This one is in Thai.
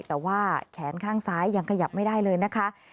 แต่ว่าแขนข้างซ้ายยังขยับไม่ได้เลยนะคะ